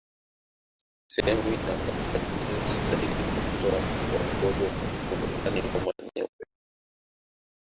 Sehemu hii inaangazia dalili za ugonjwa wa Mkojo Mwekundu yaani homa ya kupe